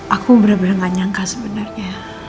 aku benar benar gak nyangka sebenarnya